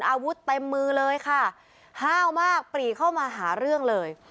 อาวุธเต็มมือเลยค่ะห้าวมากปรีเข้ามาหาเรื่องเลย